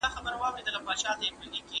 ايا تاسي چمتو ياست چي بدلون راولئ؟